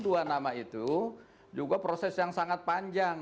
dua nama itu juga proses yang sangat panjang